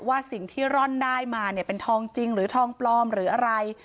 ว่าสิ่งที่ร่อนได้มาเนี่ยเป็นทองจริงหรือทองปลอมหรืออะไร